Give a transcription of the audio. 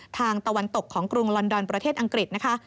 ตะวันตกของกรุงลอนดอนประเทศอังกฤษนะคะ